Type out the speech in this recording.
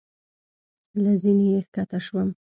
له زینې چې ښکته شوم.